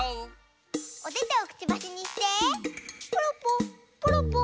おててをくちばしにしてポロッポーポロッポー。